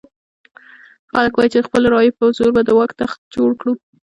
خلک وایي چې د خپلو رایو په زور به د واک تخت جوړ کړو.